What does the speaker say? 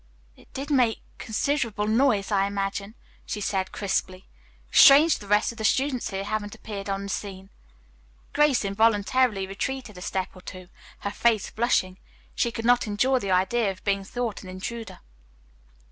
"It did make considerable noise, I imagine," she said crisply. "Strange the rest of the students here haven't appeared on the scene." Grace involuntarily retreated a step or two, her face flushing. She could not endure the idea of being thought an intruder.